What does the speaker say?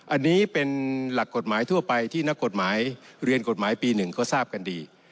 อันนี้เป็นหลักกฎหมายทั่วไปที่นักกฎหมายเรียนกฎหมายปี๑ก็ทราบกันดี